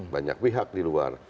banyak pihak di luar